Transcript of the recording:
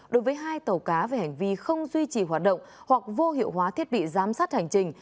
đối với hai tàu cá về hành vi không duy trì hoạt động hoặc vô hiệu hóa thiết bị giám sát hành trình